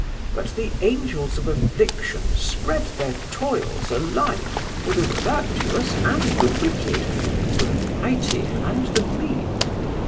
But the angels of affliction spread their toils alike for the virtuous and the wicked, for the mighty and the mean.